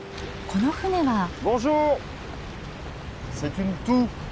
この船は？